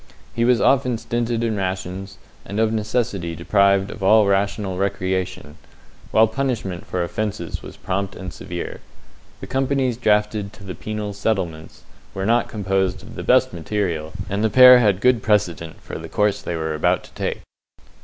He was often stinted in rations, and of necessity deprived of all rational recreation, while punishment for offences was prompt and severe. The companies drafted to the penal settlements were not composed of the best material, and the pair had good precedent for the course they were about to take.